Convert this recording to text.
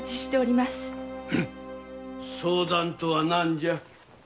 相談とは何じゃ？